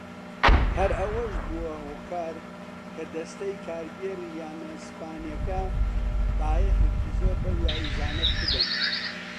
هەر ئەوەش بووە هۆکار کە دەستەی کارگێڕیی یانە ئیسپانییەکە بایەخێکی زۆر بەو یاریزانە بدەن.